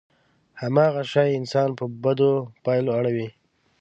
هماغه شی انسان په بدو پايلو اړوي.